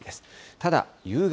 ただ、夕方。